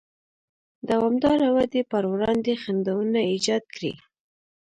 دوامداره ودې پر وړاندې خنډونه ایجاد کړي.